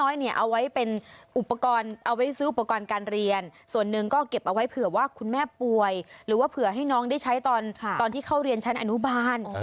เอาไว้เนี่ยเอาไว้เป็นอุปกรณ์เอาไว้ซื้ออุปกรณ์การเรียนส่วนหนึ่งก็เก็บเอาไว้เผื่อว่าคุณแม่ป่วยหรือว่าเผื่อให้น้องได้ใช้ตอนที่เข้าเรียนชั้นอนุบาล